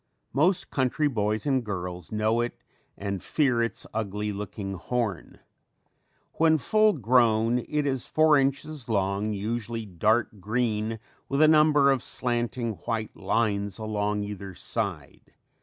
Most country boys and girls know it and fear its ugly looking horn. When full grown it is four inches long, usually dark green with a number of slanting white lines along either side.